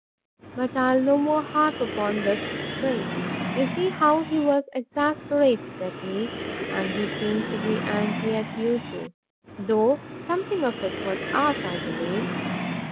But I'll no more harp upon this string: You see how he was exasperated at me; and he seemed to be angry at you too; though something of it was art, I believe.